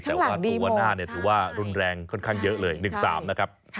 แต่ว่าตัวหน้าเนี่ยถือว่ารุนแรงค่อนข้างเยอะเลย๑๓นะครับ